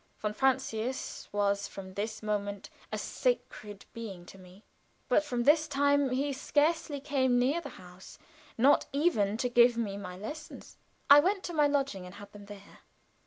Von Francius was from this moment a sacred being to me. But from this time he scarcely came near the house not even to give me my lessons. I went to my lodging and had them there.